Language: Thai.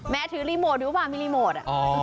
แม้ถือรีโมทดูป่ะมีรีโมท